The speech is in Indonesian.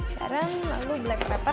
garam lalu black pepper